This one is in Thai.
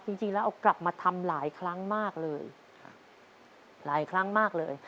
จริงแล้วเอากลับมาทำหลายครั้งมากเลยหลายครั้งมากเลย